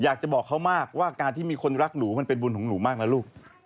อยากจะบอกเขามากว่าการที่มีคนรักหนูมันเป็นบุญของหนูมากนะลูก